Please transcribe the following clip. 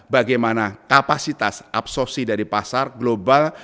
bagaimana kapasitas absorsi dari pasar global